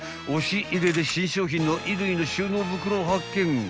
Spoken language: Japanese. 押し入れで新商品の衣類の収納袋を発見］